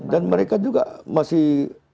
dan mereka juga masih